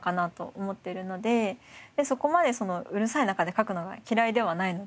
そこまでうるさい中で書くのが嫌いではないので。